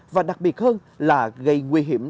và đặc biệt hơn là gây nguy hiểm